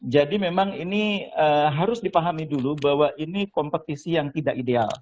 jadi memang ini harus dipahami dulu bahwa ini kompetisi yang tidak ideal